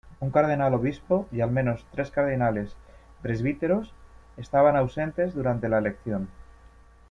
Un cardenal obispo y al menos tres cardenales presbíteros estaban ausentes durante la elección.